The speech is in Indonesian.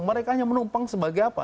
mereka hanya menumpang sebagai apa